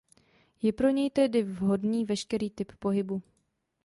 Je pro něj tedy vhodný veškerý typ pohybu.